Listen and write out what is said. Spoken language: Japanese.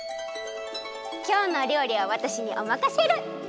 きょうのおりょうりはわたしにおまかシェル！